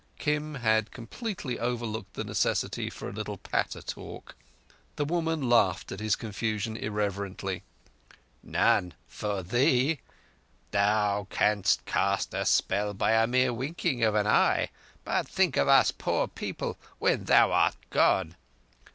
Kim had completely overlooked the necessity for a little patter talk. The woman laughed at his confusion irreverently. "None—for thee. Thou canst cast a spell by the mere winking of an eye. But think of us poor people when thou art gone.